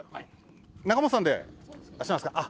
中元さんでいらっしゃいますか。